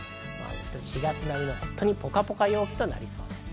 ４月並みのポカポカ陽気となりそうです。